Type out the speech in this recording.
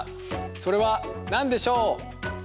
それは何でしょう。